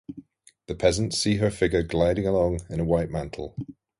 The peasants see her figure gliding along in a white mantle.